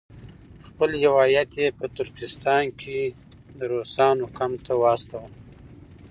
خپل یو هیات یې په ترکستان کې د روسانو کمپ ته واستاوه.